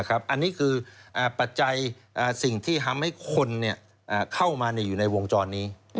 อันนี้คือปัจจัยสิ่งที่ทำให้คนเข้ามาอยู่ในวงจรนี้